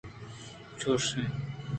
چُشں